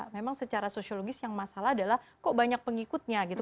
memang secara sosiologis yang masalah adalah kok banyak pengikutnya gitu